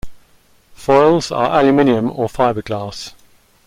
Foils are aluminium or fibreglass.